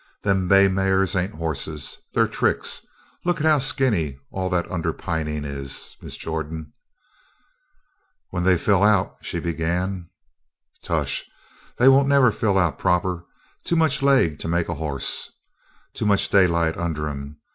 "Them bay mares ain't hosses they're tricks. Look how skinny all that underpinning is, Miss Jordan." "When they fill out " she began. "Tush! They won't never fill out proper. Too much leg to make a hoss. Too much daylight under 'em.